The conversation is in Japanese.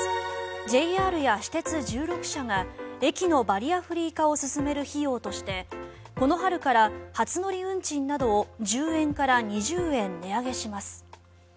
ＪＲや私鉄、１６社が駅のバリアフリー化を進める費用としてこの春から初乗り運賃を１０円から２０円値上げします。